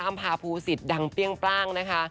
อพาภูสิตดังเปรี้ยงปร่างนะคะ